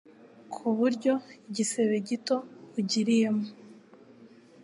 kuburyo igisebe gito ugiriyemo